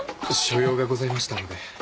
所用がございましたので。